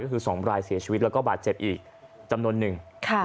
ก็คือ๒รายเสียชีวิตแล้วก็บาดเจ็บอีกจำนวนหนึ่ง